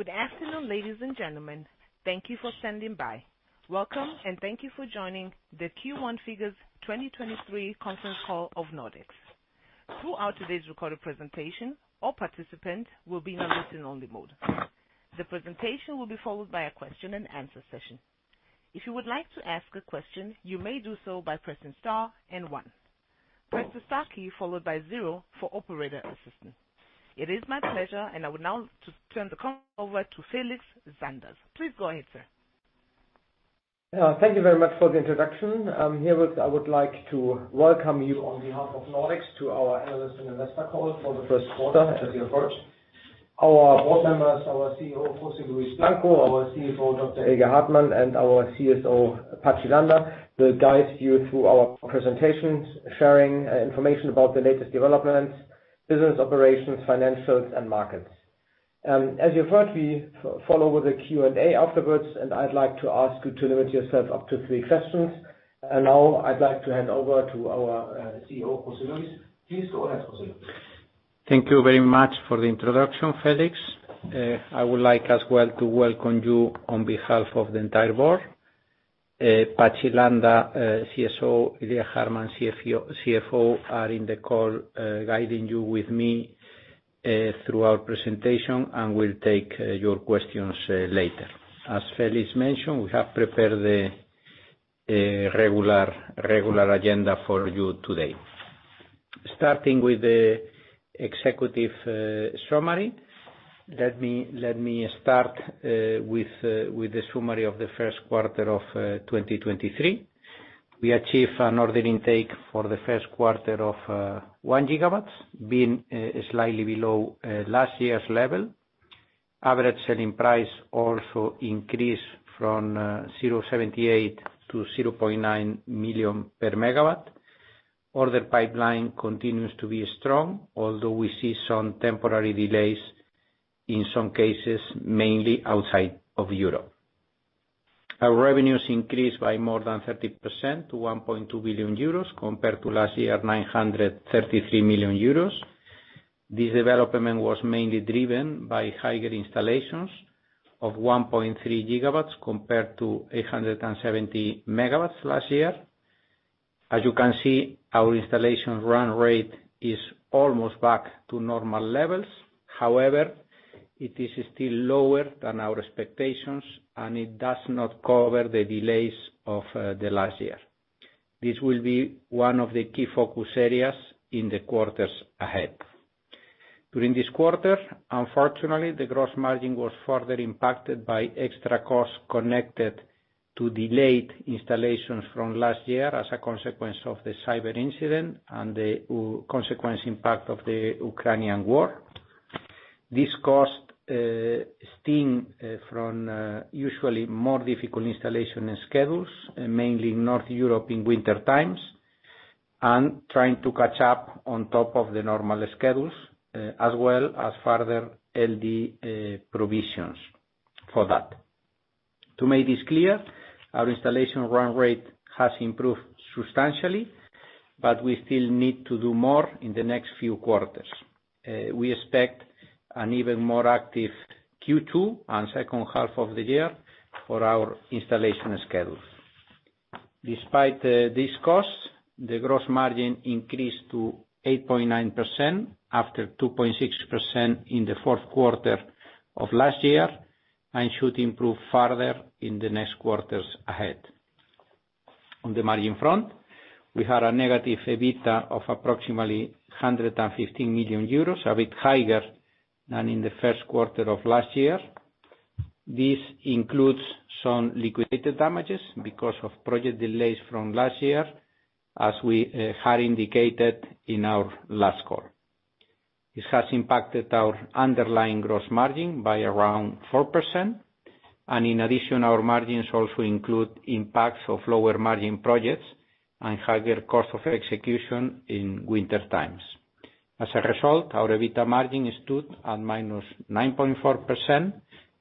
Good afternoon, ladies and gentlemen. Thank you for standing by. Welcome, and thank you for joining the Q1 Figures 2023 Conference Call of Nordex. Throughout today's recorded presentation, all participants will be in a listen-only mode. The presentation will be followed by a question-and-answer session. If you would like to ask a question, you may do so by pressing star and one. Press the star key followed by zero for operator assistance. It is my pleasure, and I would now to turn the con- over to Felix Zander. Please go ahead, sir. Thank you very much for the introduction. I would like to welcome you on behalf of Nordex to our analyst and investor call for the Q1, as you've heard. Our board members, our CEO, José Luis Blanco, our CFO, Dr. Ilya Hartmann, and our CSO, Patxi Landa, will guide you through our presentations, sharing information about the latest developments, business operations, financials, and markets. As you heard, we follow with a Q&A afterwards, and I'd like to ask you to limit yourself up to three questions. Now I'd like to hand over to our CEO, José Luis. Please go ahead, José Lis. Thank you very much for the introduction, Felix. I would like as well to welcome you on behalf of the entire board. Patxi Landa, CSO, Ilya Hartmann, CFO, are in the call, guiding you with me through our presentation, and we'll take your questions later. As Felix mentioned, we have prepared the regular agenda for you today. Starting with the executive summary, let me start with the summary of the Q1 of 2023. We achieved an order intake for the Q1 of 1 gigawatt, being slightly below last year's level. Average selling price also increased from 0.78 to 0.9 million per megawatt. Order pipeline continues to be strong, although we see some temporary delays, in some cases, mainly outside of Europe. Our revenues increased by more than 30% to 1.2 billion euros compared to last year, 933 million euros. This development was mainly driven by higher installations of 1.3 GW compared to 870 MW last year. As you can see, our installation run rate is almost back to normal levels. However, it is still lower than our expectations, and it does not cover the delays of the last year. This will be one of the key focus areas in the quarters ahead. During this quarter, unfortunately, the gross margin was further impacted by extra costs connected to delayed installations from last year as a consequence of the cyber incident and the consequence impact of the Ukrainian War. This cost stem from usually more difficult installation schedules, mainly North Europe in winter times, and trying to catch up on top of the normal schedules, as well as further LD provisions for that. To make this clear, our installation run rate has improved substantially, but we still need to do more in the next few quarters. We expect an even more active Q2 and second half of the year for our installation schedules. Despite this cost, the gross margin increased to 8.9% after 2.6% in the Q4 of last year and should improve further in the next quarters ahead. On the margin front, we had a negative EBITDA of approximately 115 million euros, a bit higher than in the Q1 of last year. This includes some liquidated damages because of project delays from last year, as we had indicated in our last call. This has impacted our underlying gross margin by around 4%, and in addition, our margins also include impacts of lower margin projects and higher cost of execution in winter times. As a result, our EBITDA margin stood at -9.4%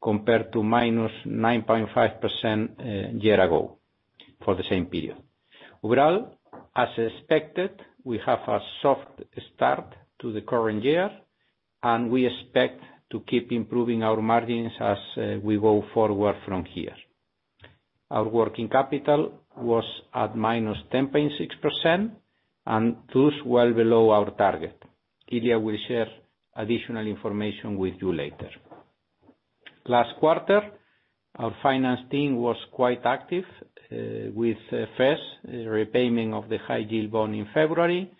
compared to -9.5% year ago for the same period. Overall, as expected, we have a soft start to the current year, and we expect to keep improving our margins as we go forward from here. Our working capital was at -10.6% and thus well below our target. Ilya will share additional information with you later. Last quarter, our finance team was quite active, with, first, repayment of the high-yield bond in February,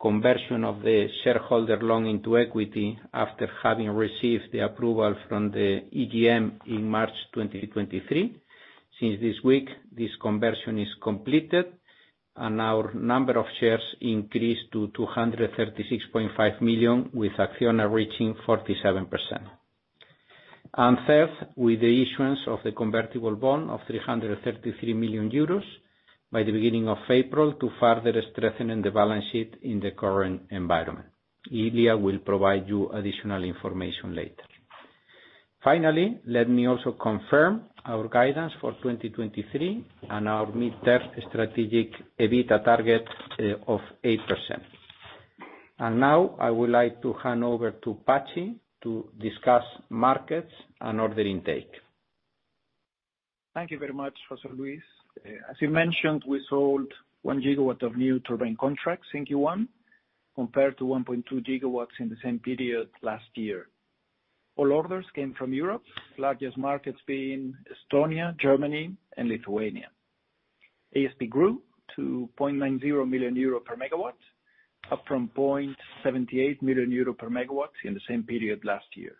conversion of the shareholder loan into equity after having received the approval from the EGM in March 2023. Since this week, this conversion is completed, our number of shares increased to 236.5 million, with Acciona reaching 47%. Third, with the issuance of the convertible bond of 333 million euros by the beginning of April to further strengthen the balance sheet in the current environment. Ilya will provide you additional information later. Finally, let me also confirm our guidance for 2023 and our midterm strategic EBITDA target of 8%. Now I would like to hand over to Patxi to discuss markets and order intake. Thank you very much, José Luis. As you mentioned, we sold 1 gigawatt of new turbine contracts in Q1, compared to 1.2 gigawatts in the same period last year. All orders came from Europe, largest markets being Estonia, Germany and Lithuania. ASP grew to 0.90 million euro per megawatt, up from 0.78 million euro per megawatt in the same period last year.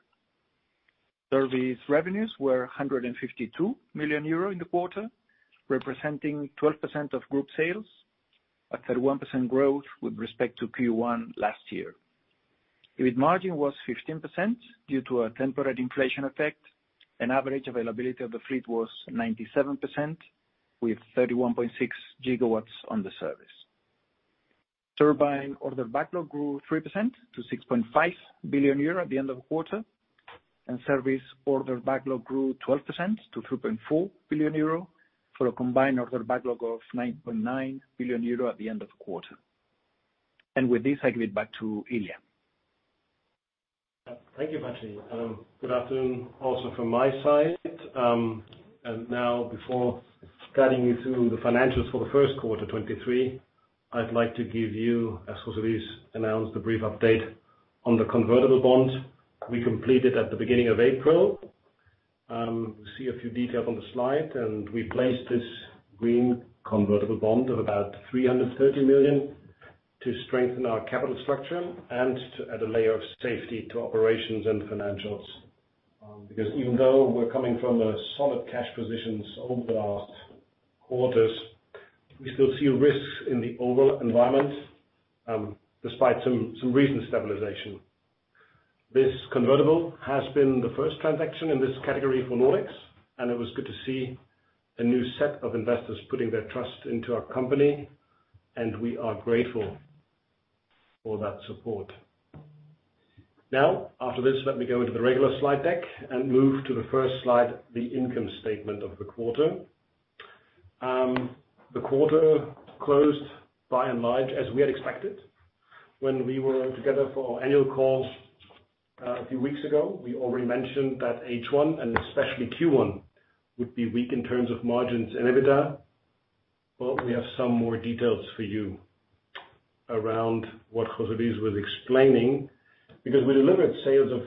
Service revenues were 152 million euro in the quarter, representing 12% of group sales, a 31% growth with respect to Q1 last year. EBIT margin was 15% due to a temporary inflation effect, Average availability of the fleet was 97%, with 31.6 gigawatts on the service. Turbine order backlog grew 3% to 6.5 billion euro at the end of the quarter, and service order backlog grew 12% to 3.4 billion euro for a combined order backlog of 9.9 billion euro at the end of the quarter. With this, I give it back to Ilya. Thank you, Patxi. Good afternoon also from my side. Now before guiding you through the financials for the Q1, 2023, I'd like to give you, as José Luis announced, a brief update on the convertible bond we completed at the beginning of April. See a few details on the slide. We placed this green convertible bond of about 330 million to strengthen our capital structure and to add a layer of safety to operations and financials. Even though we're coming from a solid cash positions over the last quarters, we still see risks in the overall environment, despite some recent stabilization. This convertible has been the first transaction in this category for Nordex, and it was good to see a new set of investors putting their trust into our company, and we are grateful for that support. After this, let me go into the regular slide deck and move to the first slide, the income statement of the quarter. The quarter closed by and large as we had expected. When we were together for our annual calls a few weeks ago, we already mentioned that H1 and especially Q1 would be weak in terms of margins and EBITDA. We have some more details for you around what José Luis was explaining, because we delivered sales of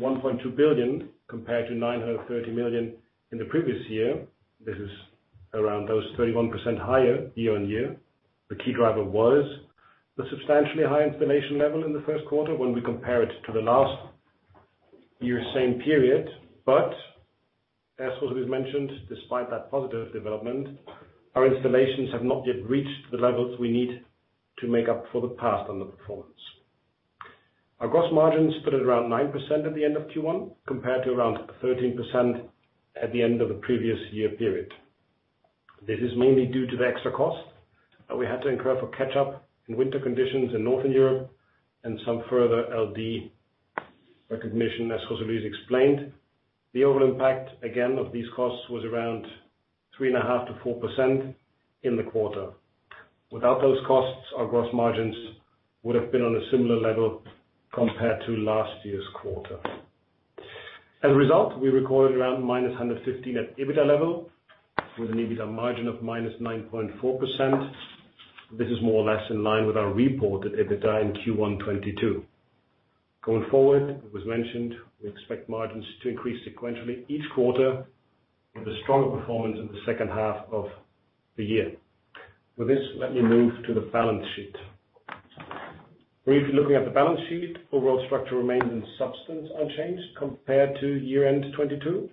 1.2 billion compared to 930 million in the previous year. This is around those 31% higher year-on-year. The key driver was the substantially high installation level in the Q1 when we compare it to the last year's same period. As José Luis mentioned, despite that positive development, our installations have not yet reached the levels we need to make up for the past underperformance. Our gross margins put at around 9% at the end of Q1, compared to around 13% at the end of the previous year period. This is mainly due to the extra cost that we had to incur for catch-up in winter conditions in Northern Europe and some further LD recognition, as José Luis explained. The overall impact, again, of these costs was around 3.5%-4% in the quarter. Without those costs, our gross margins would have been on a similar level compared to last year's quarter. As a result, we recorded around -115 at EBITDA level with an EBITDA margin of -9.4%. This is more or less in line with our reported EBITDA in Q1 2022. It was mentioned, we expect margins to increase sequentially each quarter with a stronger performance in the second half of the year. With this, let me move to the balance sheet. Briefly looking at the balance sheet, overall structure remains in substance unchanged compared to year-end 2022.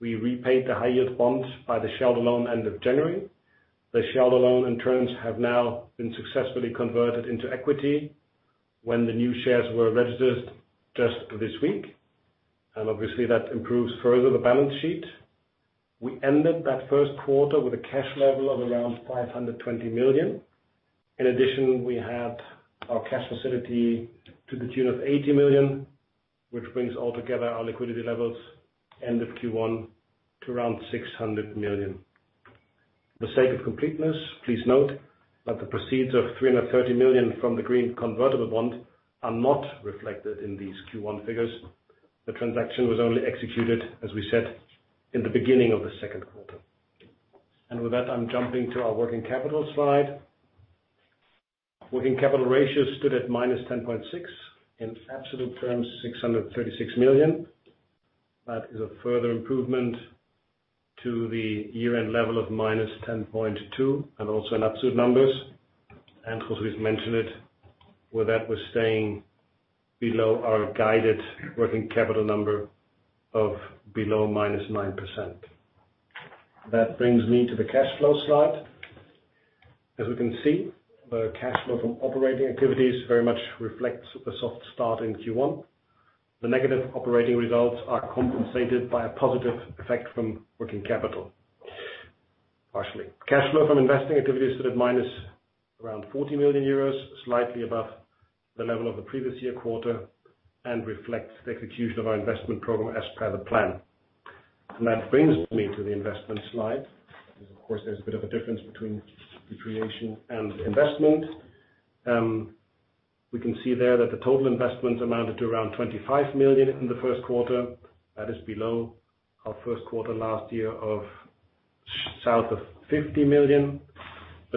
We repaid the high-yield bonds by the shareholder loan end of January. The shareholder loan and terms have now been successfully converted into equity when the new shares were registered just this week. Obviously that improves further the balance sheet. We ended that Q1 with a cash level of around 520 million. In addition, we had our cash facility to the tune of 80 million, which brings altogether our liquidity levels end of Q1 to around 600 million. For sake of completeness, please note that the proceeds of 330 million from the green convertible bond are not reflected in these Q1 figures. The transaction was only executed, as we said, in the beginning of the Q2. With that, I'm jumping to our working capital slide. Working capital ratio stood at -10.6, in absolute terms, 636 million. That is a further improvement to the year-end level of -10.2, and also in absolute numbers. José Luis mentioned it, with that we're staying below our guided working capital number of below -9%. That brings me to the cash flow slide. As we can see, the cash flow from operating activities very much reflects the soft start in Q1. The negative operating results are compensated by a positive effect from working capital, partially. Cash flow from investing activities stood at minus around 40 million euros, slightly above the level of the previous year quarter, and reflects the execution of our investment program as per the plan. That brings me to the investment slide. Of course, there's a bit of a difference between depreciation and investment. We can see there that the total investments amounted to around 25 million in the Q1. That is below our Q1 last year of south of 50 million.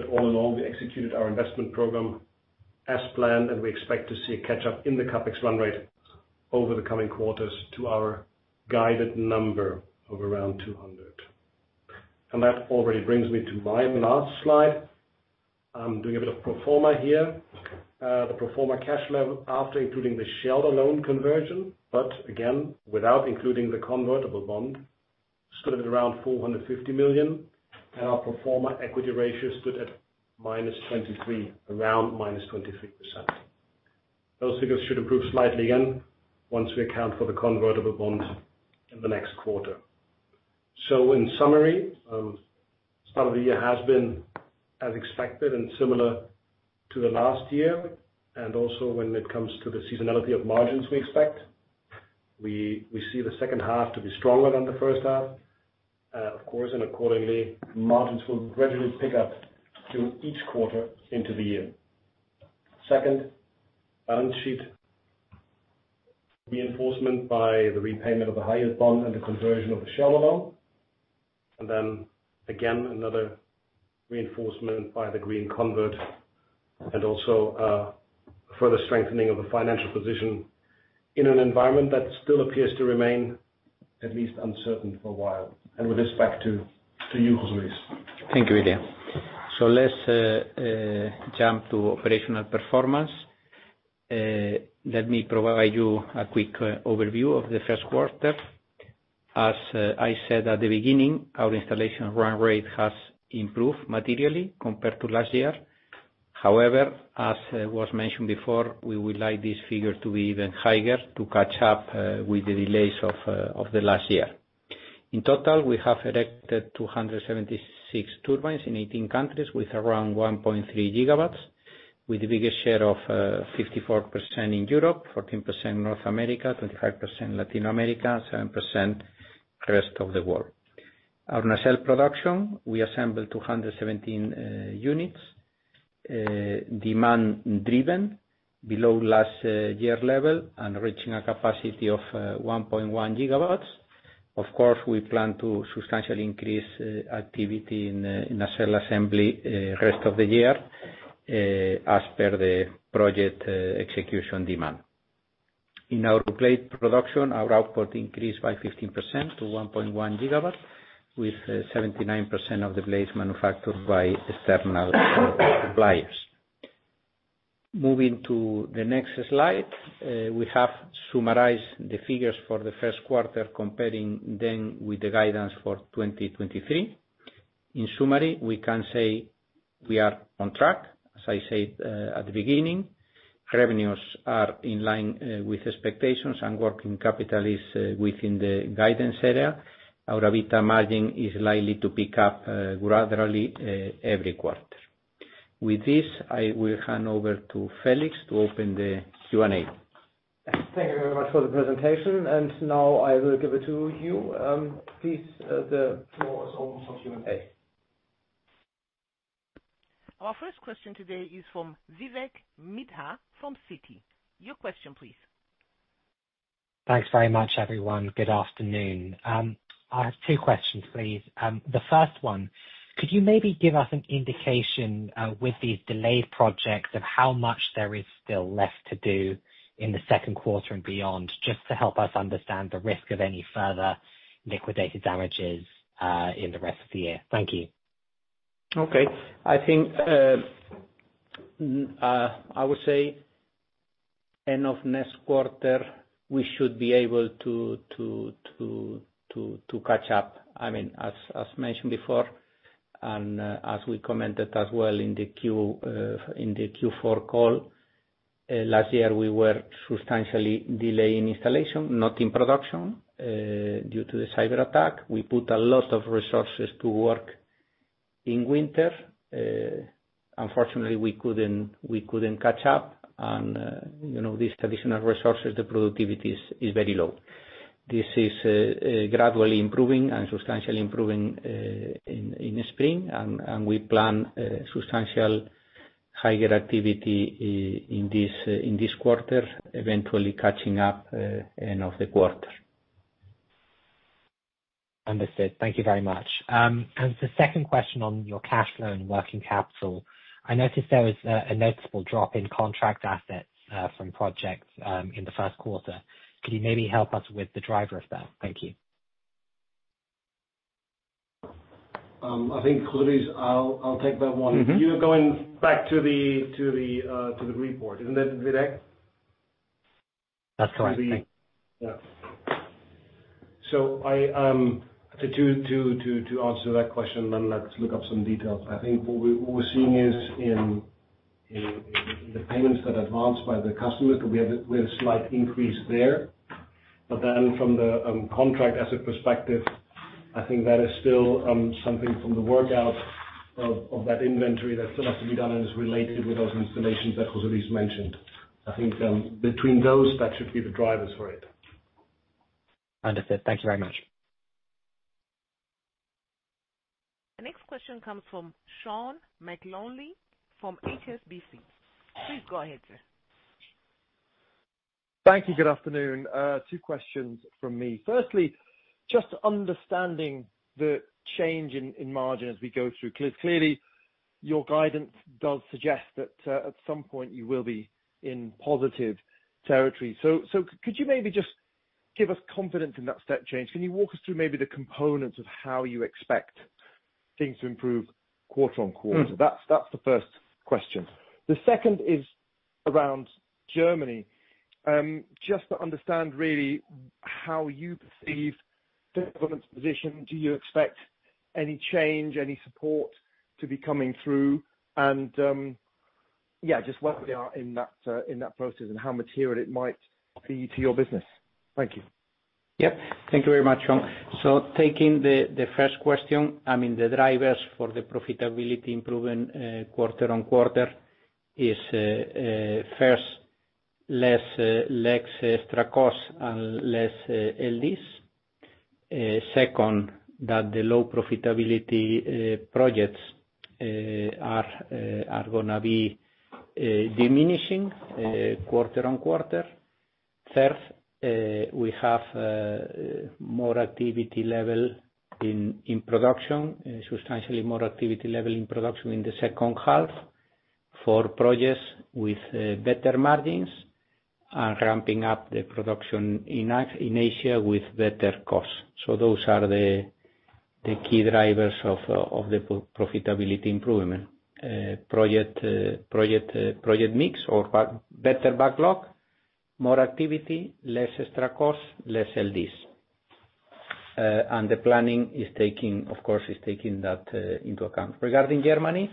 All in all, we executed our investment program as planned, and we expect to see a catch-up in the CapEx run rate over the coming quarters to our guided number of around 200 million. That already brings me to my last slide. I'm doing a bit of pro forma here. The pro forma cash level after including the share loan conversion, but again, without including the convertible bond, stood at around 450 million, and our pro forma equity ratio stood at around -23%. Those figures should improve slightly again, once we account for the convertible bonds in the next quarter. In summary, start of the year has been as expected and similar to the last year, and also when it comes to the seasonality of margins we expect. We see the second half to be stronger than the first half, of course, and accordingly, margins will gradually pick up through each quarter into the year. Second, balance sheet reinforcement by the repayment of the highest bond and the conversion of the share loan. Then again, another reinforcement by the green convert and also, further strengthening of the financial position in an environment that still appears to remain at least uncertain for a while. With this, back to you, José Luis. Thank you, Ilya. Let's jump to operational performance. Let me provide you a quick overview of the Q1. As I said at the beginning, our installation run rate has improved materially compared to last year. However, as was mentioned before, we would like this figure to be even higher to catch up with the delays of the last year. In total, we have erected 276 turbines in 18 countries with around 1.3 gigawatts, with the biggest share of 54% in Europe, 14% North America, 25% Latin America, 7% rest of the world. Our nacelle production, we assembled 217 units, demand-driven below last year level and reaching a capacity of 1.1 gigawatts. Of course, we plan to substantially increase activity in nacelle assembly rest of the year as per the project execution demand. In our blade production, our output increased by 15% to 1.1 gigawatt, with 79% of the blades manufactured by external suppliers. Moving to the next slide, we have summarized the figures for the Q1, comparing them with the guidance for 2023. In summary, we can say we are on track, as I said at the beginning. Revenues are in line with expectations and working capital is within the guidance area. Our EBITDA margin is likely to pick up gradually every quarter. With this, I will hand over to Felix to open the Q&A. Thank you very much for the presentation. Now I will give it to you, please, the floor is open for Q&A. Our first question today is from Vivek Midha from Citi. Your question, please. Thanks very much, everyone. Good afternoon. I have 2 questions, please. The first one, could you maybe give us an indication with these delayed projects of how much there is still left to do in Q2 and beyond, just to help us understand the risk of any further liquidated damages in the rest of the year? Thank you. Okay. I think, I would say end of next quarter, we should be able to catch up. I mean, as mentioned before, and as we commented as well in the Q, in the Q4 call, last year, we were substantially delaying installation, not in production, due to the cyberattack. We put a lot of resources to work in winter. Unfortunately, we couldn't catch up on, you know, these traditional resources, the productivity is very low. This is gradually improving and substantially improving in spring. We plan substantial higher activity in this quarter, eventually catching up end of the quarter. Understood. Thank you very much. The second question on your cash flow and working capital, I noticed there was a noticeable drop in contract assets, from projects, in the Q1. Could you maybe help us with the driver of that? Thank you. I think, José Luis, I'll take that one. Mm-hmm. You're going back to the, to the, to the green bond, isn't it, Vivek? That's correct. Thank you. I to answer that question, then let's look up some details. I think what we're seeing is in the payments that advanced by the customers, we have a slight increase there. From the contract asset perspective, I think that is still something from the workout of that inventory that still has to be done and is related with those installations that José Luis mentioned. I think, between those, that should be the drivers for it. Understood. Thank you very much. The next question comes from Sean McLoughlin from HSBC. Please go ahead, sir. Thank you. Good afternoon. two questions from me. Firstly, just understanding the change in margin as we go through. Clearly, your guidance does suggest that at some point you will be in positive territory. Could you maybe just give us confidence in that step change? Can you walk us through maybe the components of how you expect things to improve quarter on quarter? Mm. That's the first question. The second is around Germany. Just to understand really how you perceive the government's position. Do you expect any change, any support to be coming through? Yeah, just where we are in that process and how material it might be to your business. Thank you. Thank you very much, Sean. Taking the first question, I mean, the drivers for the profitability improvement quarter-on-quarter is first, less extra costs and less LDs. Second, that the low profitability projects are going to be diminishing quarter-on-quarter. Third, we have more activity level in production, substantially more activity level in production in the second half for projects with better margins, and ramping up the production in Asia with better costs. Those are the key drivers of the profitability improvement. Project mix or better backlog, more activity, less extra costs, less LDs. The planning is taking, of course, is taking that into account. Regarding Germany,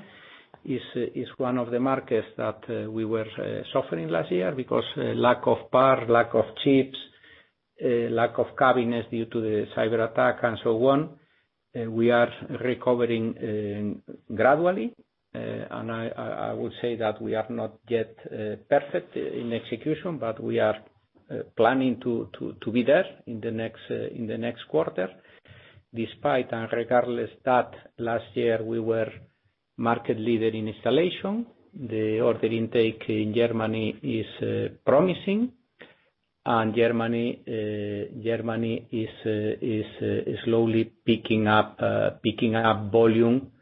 is one of the markets that we were suffering last year because lack of parts, lack of chips, lack of cabinets due to the cyberattack and so on. We are recovering gradually. I would say that we are not yet perfect in execution, but we are planning to be there in the next quarter. Despite and regardless that, last year we were market leader in installation. The order intake in Germany is promising. Germany is slowly picking up volume.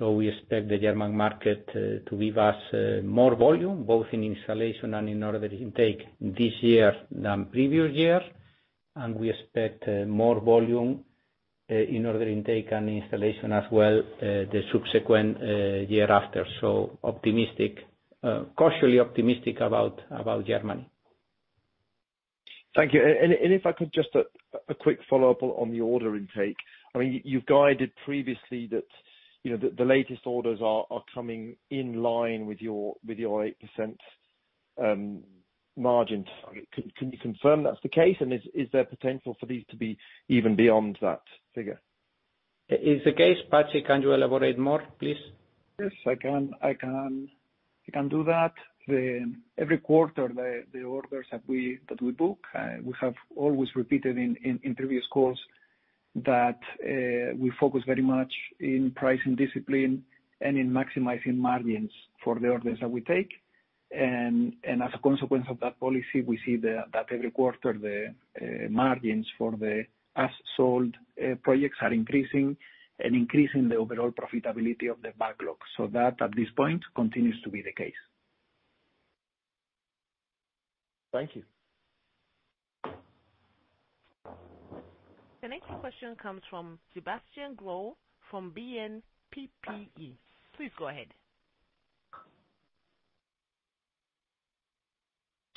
We expect the German market to give us more volume, both in installation and in order intake this year than previous year. We expect more volume in order intake and installation as well, the subsequent year after. Optimistic, cautiously optimistic about Germany. Thank you. If I could just a quick follow-up on the order intake. I mean, you've guided previously that, you know, the latest orders are coming in line with your 8% margin target. Can you confirm that's the case? Is there potential for these to be even beyond that figure? Is the case. Patxi, can you elaborate more, please? Yes, I can. I can do that. Every quarter, the orders that we book, we have always repeated in previous calls that we focus very much in pricing discipline and in maximizing margins for the orders that we take. As a consequence of that policy, we see that every quarter the margins for the as sold projects are increasing and increasing the overall profitability of the backlog. That, at this point, continues to be the case. Thank you. The next question comes from Sebastian Growe from BNPP. Please go ahead.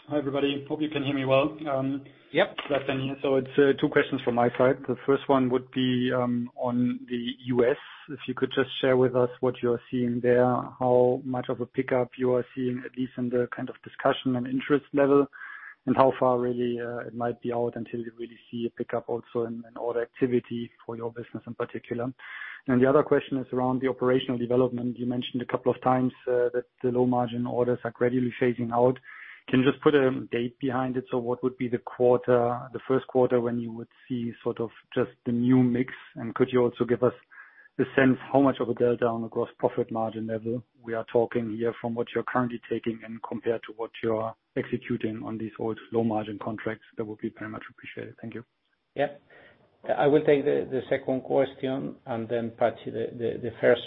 Hi, everybody. Hope you can hear me well. Yep. Sebastian here. It's 2 questions from my side. The first one would be on the U.S. If you could just share with us what you're seeing there, how much of a pickup you are seeing, at least in the kind of discussion and interest level, and how far really it might be out until you really see a pickup also in order activity for your business in particular. The other question is around the operational development. You mentioned a couple of times that the low margin orders are gradually phasing out. Can you just put a date behind it? What would be the quarter, the Q1 when you would see sort of just the new mix? Could you also give us a sense how much of a delta on the gross profit margin level we are talking here from what you're currently taking and compared to what you're executing on these old low margin contracts? That would be very much appreciated. Thank you. Yeah. I will take the second question and then Patxi, the first.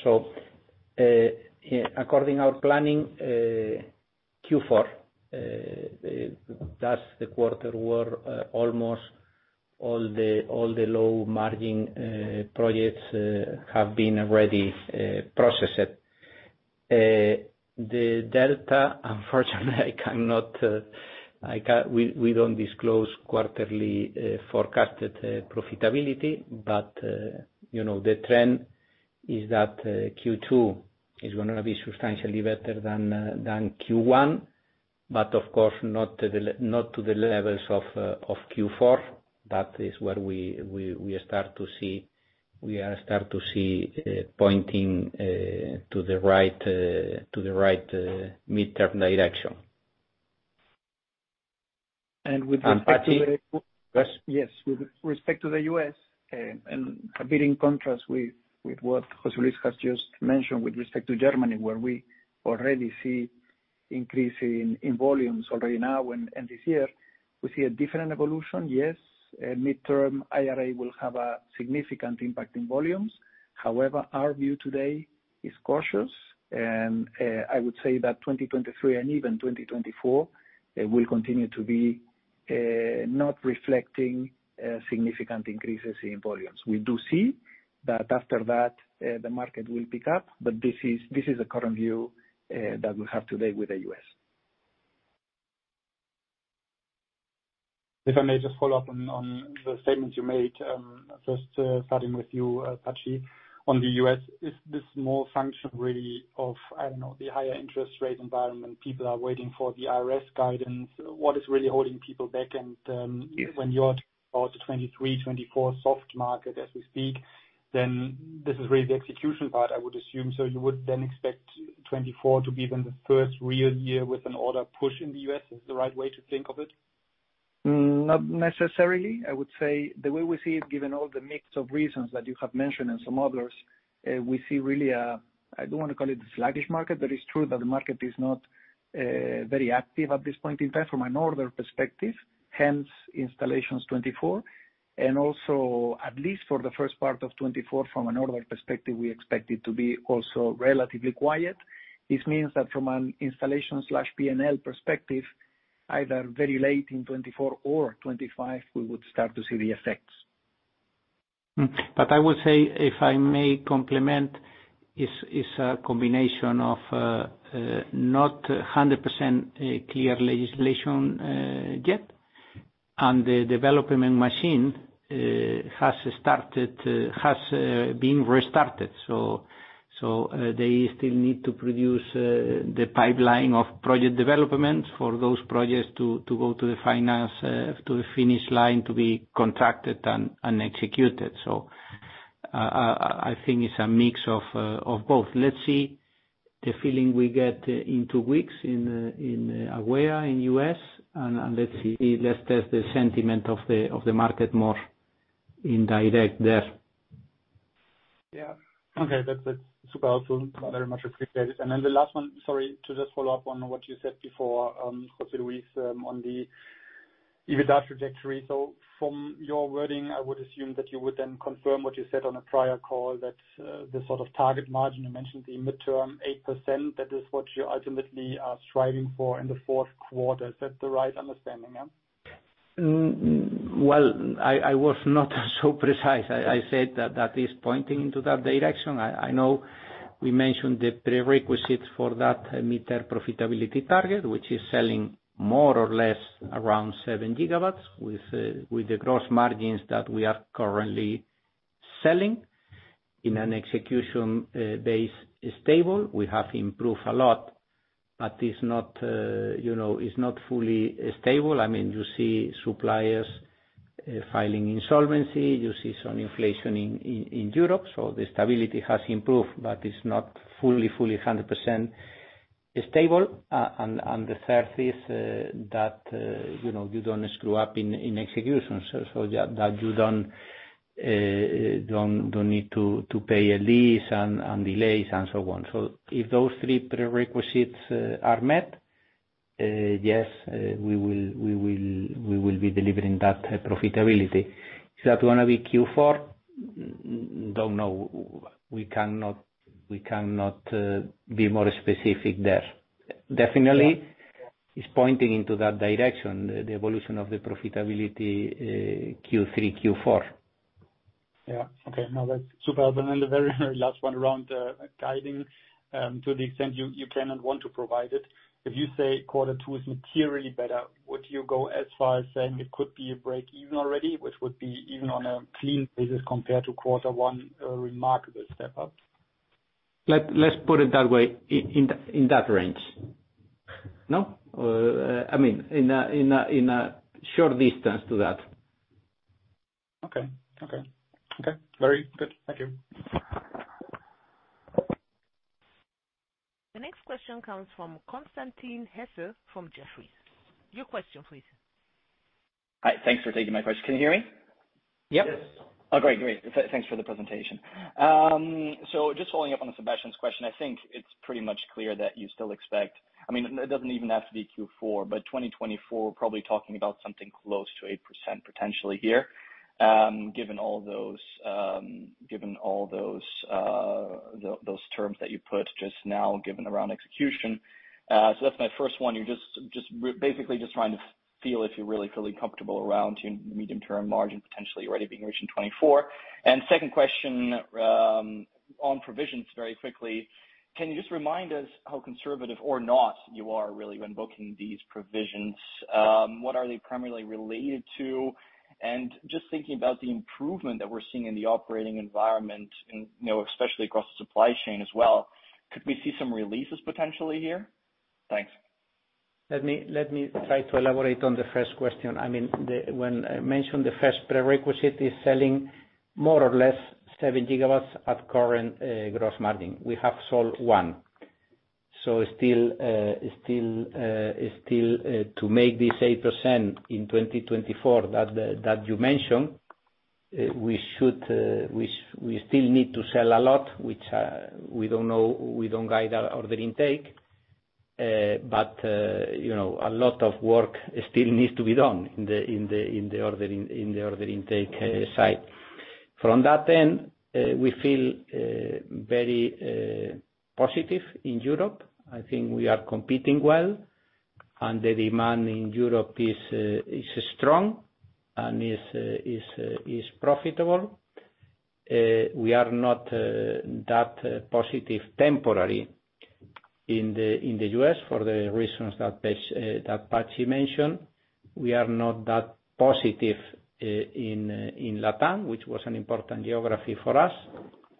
According our planning, Q4, that's the quarter where almost all the low margin projects have been already processed. The delta, unfortunately, I cannot, we don't disclose quarterly forecasted profitability. You know, the trend is that Q2 is gonna be substantially better than Q1, but of course not to the levels of Q4. That is where We are start to see, pointing to the right midterm direction. with respect to. Patxi? Yes. Yes. With respect to the U.S., a bit in contrast with what José Luis has just mentioned with respect to Germany, where we already see increase in volumes already now and this year, we see a different evolution. Yes, midterm IRA will have a significant impact in volumes. However, our view today is cautious, and, I would say that 2023 and even 2024, will continue to be, not reflecting, significant increases in volumes. We do see that after that, the market will pick up, but this is the current view, that we have today with the U.S. If I may just follow up on the statements you made, first, starting with you, Patxi. On the U.S., is this more function really of, I don't know, the higher interest rate environment, people are waiting for the IRS guidance? What is really holding people back? Yes. When you are about the 2023, 2024 soft market as we speak, then this is really the execution part, I would assume. You would then expect 2024 to be then the first real year with an order push in the US. Is the right way to think of it? Not necessarily. I would say the way we see it, given all the mix of reasons that you have mentioned and some others, we see really I don't wanna call it sluggish market, but it's true that the market is not very active at this point in time from an order perspective, hence installations 2024. Also, at least for the first part of 2024, from an order perspective, we expect it to be also relatively quiet. This means that from an installation/P&L perspective, either very late in 2024 or 2025, we would start to see the effects. I would say, if I may complement, it's a combination of not 100% clear legislation yet, and the development machine has been restarted. They still need to produce the pipeline of project development for those projects to go to the finish line, to be contracted and executed. I think it's a mix of both. Let's see the feeling we get in 2 weeks in AWEA in U.S., and let's see. Let's test the sentiment of the market more in direct there. Yeah. Okay. That's super helpful. Very much appreciated. The last one, sorry, to just follow up on what you said before, José Luis, on the EBITDA trajectory. From your wording, I would assume that you would then confirm what you said on a prior call, that the sort of target margin, you mentioned the midterm 8%, that is what you ultimately are striving for in the Q4. Is that the right understanding, yeah? Well, I was not so precise. I said that that is pointing into that direction. I know we mentioned the prerequisites for that midterm profitability target, which is selling more or less around 7 gigawatts with the gross margins that we are currently selling. In an execution base stable, we have improved a lot, but it's not, you know, it's not fully stable. I mean, you see suppliers filing insolvency, you see some inflation in Europe. So the stability has improved, but it's not fully 100% stable. The third is that, you know, you don't screw up in execution. So that you don't need to pay a lease and delays and so on. If those three prerequisites are met, yes, we will be delivering that profitability. Is that gonna be Q4? Don't know. We cannot be more specific there. Yeah. it's pointing into that direction, the evolution of the profitability, Q3, Q4. Yeah. Okay. No, that's super. The very last one around guiding to the extent you can and want to provide it. If you say Q2 is materially better, would you go as far as saying it could be a break even already, which would be even on a clean basis compared to Q1, a remarkable step up? Let's put it that way, in that range. No? I mean, in a short distance to that. Okay. Okay. Okay. Very good. Thank you. The next question comes from Constantin Hesse from Jefferies. Your question please. Hi. Thanks for taking my question. Can you hear me? Yep. Yes. Great. Great. Thanks for the presentation. Just following up on Sebastian's question, I think it's pretty much clear that you still expect, I mean, it doesn't even have to be Q4, but 2024 probably talking about something close to 8% potentially here, given all those given all those terms that you put just now given around execution. That's my first one. You're just basically just trying to feel if you're really feeling comfortable around your medium-term margin potentially already being reached in 2024. Second question on provisions very quickly. Can you just remind us how conservative or not you are really when booking these provisions? What are they primarily related to? Just thinking about the improvement that we're seeing in the operating environment and, you know, especially across the supply chain as well, could we see some releases potentially here? Thanks. Let me try to elaborate on the first question. I mean, when I mentioned the first prerequisite is selling more or less 7 gigawatts at current, gross margin. We have sold 1. Still to make this 8% in 2024 that you mentioned, we should, we still need to sell a lot, which we don't know, we don't guide our order intake. You know, a lot of work still needs to be done in the order intake side. From that end, we feel very positive in Europe. I think we are competing well, and the demand in Europe is strong and is profitable. We are not that positive temporarily in the U.S. for the reasons that Patchie mentioned. We are not that positive in Latin, which was an important geography for us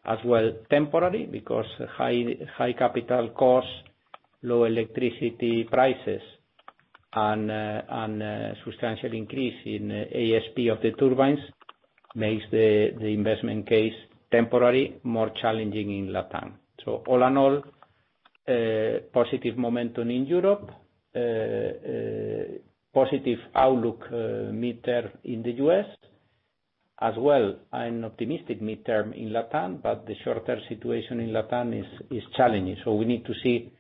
as well, temporarily, because high capital costs, low electricity prices and substantial increase in ASP of the turbines makes the investment case temporarily more challenging in Latin. All in all, positive momentum in Europe. Positive outlook mid-term in the U.S. As well, I'm optimistic mid-term in Latin. The short-term situation in Latin is challenging. We need to see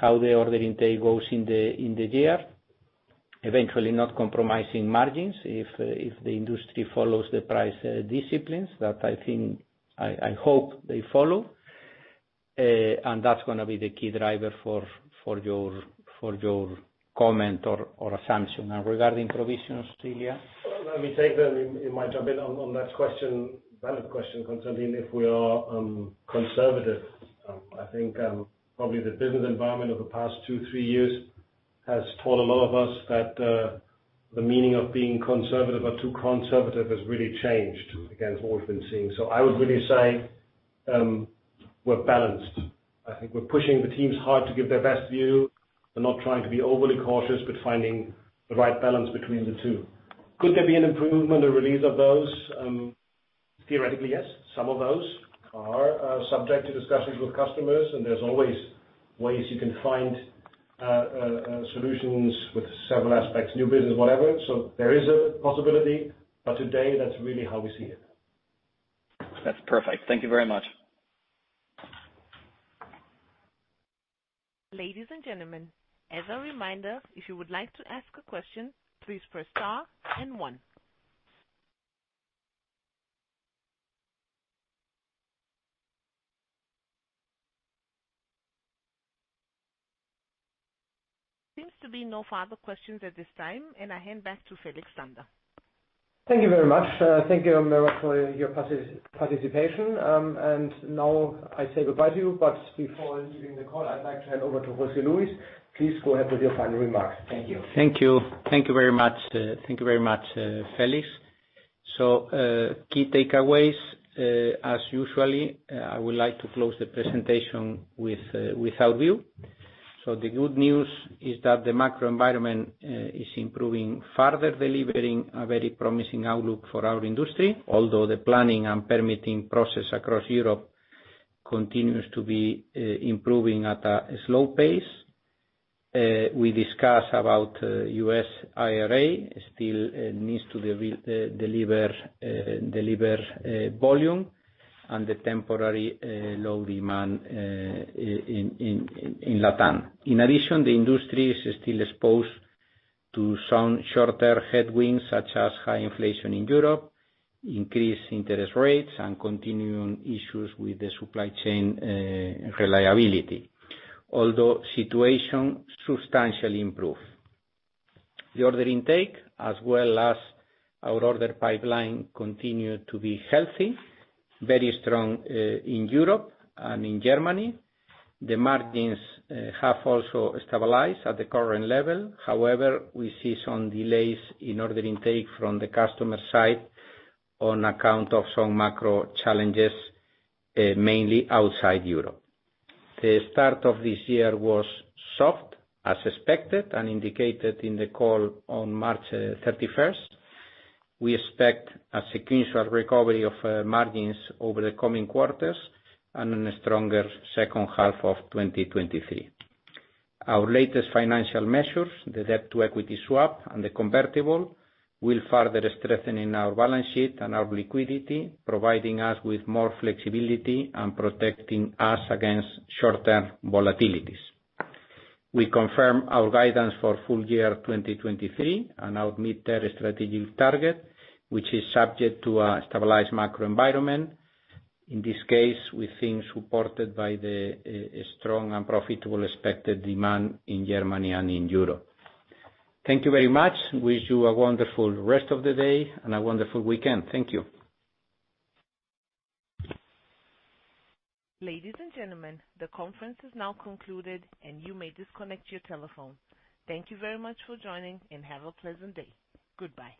how the order intake goes in the year, eventually not compromising margins if the industry follows the price disciplines that I think I hope they follow. That's going to be the key driver for your, for your comment or assumption. Regarding provisions, Ilya? Let me take that. You might jump in on that question. Valid question, Constantin, if we are conservative. I think probably the business environment over the past two, three years has taught a lot of us that the meaning of being conservative or too conservative has really changed against what we've been seeing. I would really say we're balanced. I think we're pushing the teams hard to give their best view. We're not trying to be overly cautious, but finding the right balance between the two. Could there be an improvement or release of those? Theoretically, yes. Some of those are subject to discussions with customers, and there's always ways you can find solutions with several aspects, new business, whatever. There is a possibility, but today that's really how we see it. That's perfect. Thank you very much. Ladies and gentlemen, as a reminder, if you would like to ask a question, please press star then one. Seems to be no further questions at this time, and I hand back to Felix Zander. Thank you very much. Thank you, Amara, for your participation. Now I say goodbye to you. Before leaving the call, I'd like to hand over to José Luis. Please go ahead with your final remarks. Thank you. Thank you. Thank you very much. Thank you very much, Felix. Key takeaways, as usually, I would like to close the presentation with our view. The good news is that the macro environment is improving, further delivering a very promising outlook for our industry, although the planning and permitting process across Europe continues to be improving at a slow pace. We discuss about US IRA. Still needs to deliver volume and the temporary low demand in Latin. In addition, the industry is still exposed to some shorter headwinds, such as high inflation in Europe, increased interest rates, and continuing issues with the supply chain reliability, although situation substantially improve. The order intake as well as our order pipeline continue to be healthy, very strong, in Europe and in Germany. The margins have also stabilized at the current level. However, we see some delays in order intake from the customer side on account of some macro challenges, mainly outside Europe. The start of this year was soft, as expected and indicated in the call on March 31st. We expect a sequential recovery of margins over the coming quarters and in a stronger second half of 2023. Our latest financial measures, the debt to equity swap and the convertible, will further strengthen our balance sheet and our liquidity, providing us with more flexibility and protecting us against short-term volatilities. We confirm our guidance for full year 2023 and our mid-term strategic target, which is subject to a stabilized macro environment. In this case, we think supported by the strong and profitable expected demand in Germany and in Europe. Thank you very much. Wish you a wonderful rest of the day and a wonderful weekend. Thank you. Ladies and gentlemen, the conference is now concluded, and you may disconnect your telephone. Thank you very much for joining, and have a pleasant day. Goodbye.